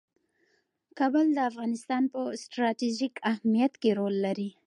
کابل د افغانستان په ستراتیژیک اهمیت کې رول لري.